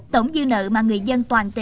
tổng dư nợ mà người dân